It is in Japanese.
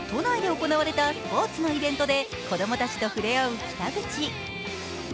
都内で行われたスポーツのイベントで子供たちとふれあう北口。